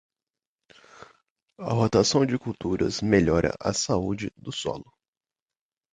A rotação de culturas melhora a saúde do solo.